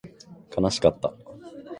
悲しかった